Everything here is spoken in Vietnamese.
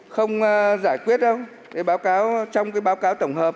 không giải quyết đâu trong cái báo cáo tổng hợp